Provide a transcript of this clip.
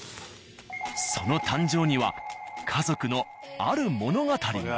その誕生には家族のある物語が。